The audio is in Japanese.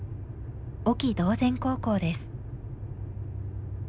隠岐島前高校です。